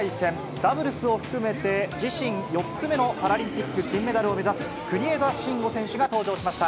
ダブルスを含めて、自身４つ目のパラリンピック金メダルを目指す国枝慎吾選手が登場しました。